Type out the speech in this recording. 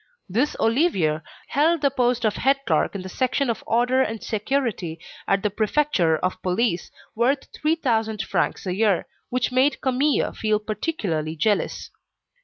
This Olivier held the post of head clerk in the section of order and security at the Prefecture of Police, worth 3,000 francs a year, which made Camille feel particularly jealous.